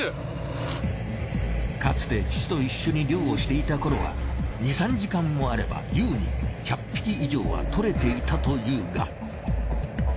かつて父と一緒に漁をしていたころは２３時間もあれば優に１００匹以上は獲れていたというが。